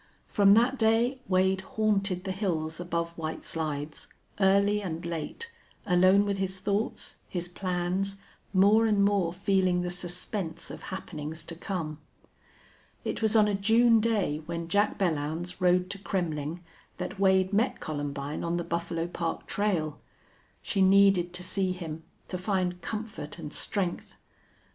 From that day Wade haunted the hills above White Slides, early and late, alone with his thoughts, his plans, more and more feeling the suspense of happenings to come. It was on a June day when Jack Belllounds rode to Kremmling that Wade met Columbine on the Buffalo Park trail. She needed to see him, to find comfort and strength.